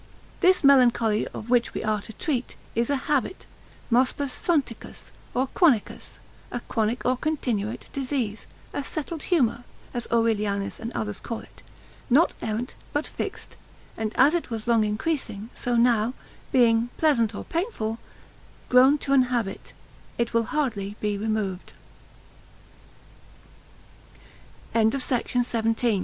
This melancholy of which we are to treat, is a habit, mosbus sonticus, or chronicus, a chronic or continuate disease, a settled humour, as Aurelianus and others call it, not errant, but fixed; and as it was long increasing, so now being (pleasant, or painful) grown to an habit, it will hardly be rem